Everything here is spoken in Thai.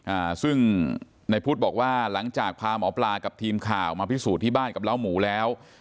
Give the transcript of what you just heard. อ่าซึ่งในพุทธบอกว่าหลังจากพาหมอปลากับทีมข่าวมาพิสูจน์ที่บ้านกับเล้าหมูแล้ว